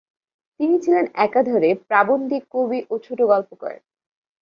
তিনি ছিলেন একাধারে প্রাবন্ধিক, কবি ও ছোটগল্পকার।